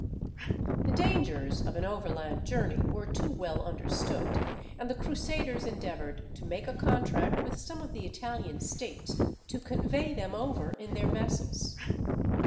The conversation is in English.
The dangers of an overland journey were too well understood, and the Crusaders endeavoured to make a contract with some of the Italian states to convey them over in their vessels.